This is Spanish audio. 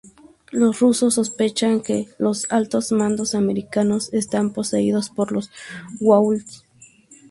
Los rusos sospechan que los altos mandos americanos están poseídos por los "Goa'uld".